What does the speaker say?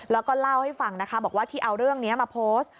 แล้วก็เล่าให้ฟังนะคะบอกว่าที่เอาเรื่องนี้มาโพสต์